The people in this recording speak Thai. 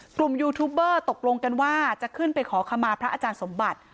ยูทูบเบอร์ตกลงกันว่าจะขึ้นไปขอขมาพระอาจารย์สมบัติ